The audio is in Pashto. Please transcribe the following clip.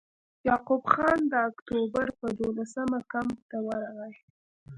یعقوب خان د اکټوبر پر دولسمه کمپ ته ورغی.